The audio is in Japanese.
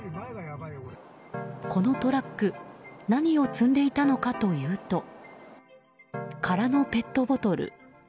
このトラック何を積んでいたのかというと空のペットボトル。